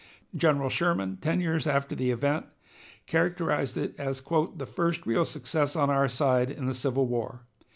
General Sherman, ten years after the event, characterized it as "the first real success on our side in the Civil War.